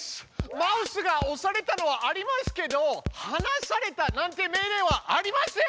「マウスが押された」のはありますけど「はなされた」なんて命令はありません！